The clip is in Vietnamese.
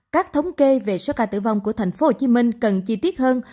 các thống kê về số ca tử vong của tp hcm cần chi tiết hơn